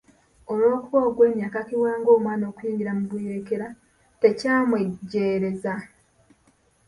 Olw'okuba Ongwen yakakibwa ng'omwana okuyingira mu buyeekera, tekyamwejjeereza .